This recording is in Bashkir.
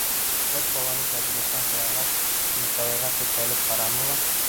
Ҡыҙ баланы кабинеттан сығарғас, Николайға текләп ҡараны ла: